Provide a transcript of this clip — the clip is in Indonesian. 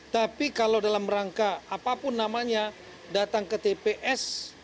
tapi kalau dalam rangka apapun namanya datang ke tps